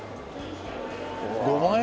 ５万円